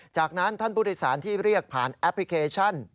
จากนั้นท่านบุริษันที่เรียกผ่านแอปพลิเคชัน